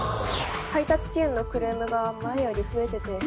配達遅延のクレームが前より増えてて。